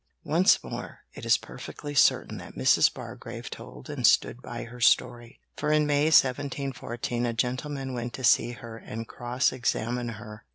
Once more, it is perfectly certain that Mrs. Bargrave told and stood by her story, for in May 1714 a gentleman went to see her and cross examine her.